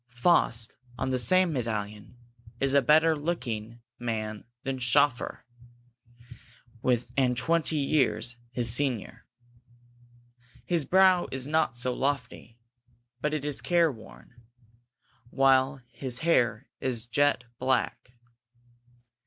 Faust, on the same medallion, is a better looking man than Schoeffer, and twenty years his senior. His brow is not so lofty, but it is care worn, while his hair is jet black.